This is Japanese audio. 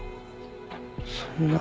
そんな。